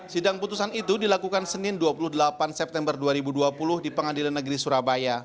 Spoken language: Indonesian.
sidang putusan itu dilakukan senin dua puluh delapan september dua ribu dua puluh di pengadilan negeri surabaya